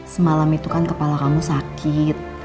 semalam itu kan kepala kamu sakit